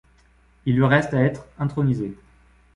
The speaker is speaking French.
Il lui reste à être intronisée.